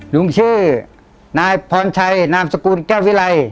ลุงชื่อนายพรชัยนามสกุลแก้ววิไล